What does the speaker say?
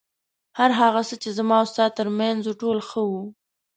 هر هغه څه چې زما او ستا تر منځ و ټول ښه وو.